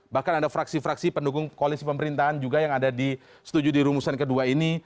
bahkan ada fraksi fraksi pendukung koalisi pemerintahan juga yang ada di setuju di rumusan kedua ini